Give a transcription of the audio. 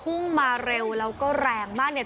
พุ่งมาเร็วแล้วก็แรงมากเนี่ย